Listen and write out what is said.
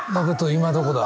今どこだ？